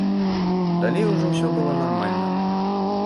Далей ужо ўсё было нармальна.